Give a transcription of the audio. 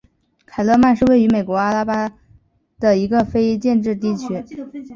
凯勒曼是位于美国阿拉巴马州塔斯卡卢萨县的一个非建制地区。